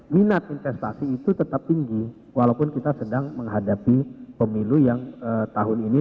minat investasi itu tetap tinggi walaupun kita sedang menghadapi pemilu yang tahun ini